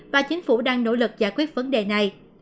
và chính phủ đang nỗ lực giải quyết vấn đề này